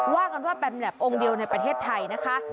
ว่ากันว่าเป็นแบบองค์เดียวในประเทศไทยนะคะ